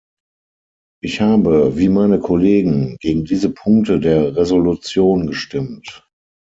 Ich habe, wie meine Kollegen, gegen diese Punkte der Resolution gestimmt.